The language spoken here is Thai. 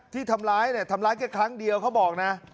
ที่ทำร้ายแบบนี้ทำร้ายแค่ครั้งเดียวเขาบอกนะ